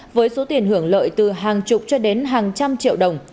với số tiền hưởng lợi từ hàng chục cho đến hàng trăm triệu đồng